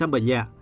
sáu mươi bệnh nhẹ